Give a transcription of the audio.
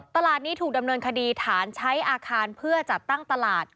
ตลาดนี้ถูกดำเนินคดีฐานใช้อาคารเพื่อจัดตั้งตลาด